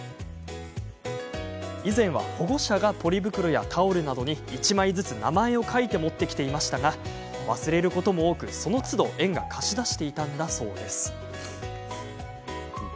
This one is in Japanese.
以前は、保護者がポリ袋やタオルなどに１枚ずつ名前を書いて持ってきていましたが忘れることも多く、そのつど園が貸し出していたんだそうです。